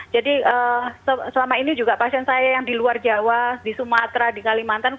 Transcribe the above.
jadi selama ini juga pasien saya yang di luar jawa di sumatera di kalimantan